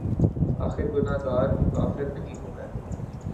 آخر گناہگار ہوں‘ کافر نہیں ہوں میں